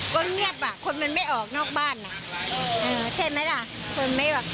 ก็เงียบอ่ะคนมันไม่ออกนอกบ้านอ่ะเออใช่ไหมล่ะคนไม่แบบ